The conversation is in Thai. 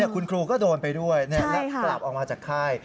คุณครูก็โดนไปด้วยและกลับออกมาจากค่าย